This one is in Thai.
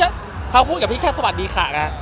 อ๋อไม่ครับเขาพูดกับพี่แค่สวัสดีค่ะนะ